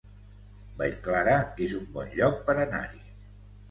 Vallclara es un bon lloc per anar-hi